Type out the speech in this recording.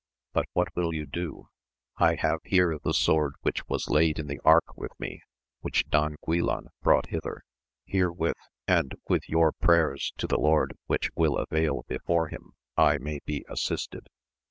but what will you do ?— I have here the sword which was laid in the Ark with me, which Don Guilan brought hither, herewith and with your prayers to the Lord which will avail before him, I may be assisted.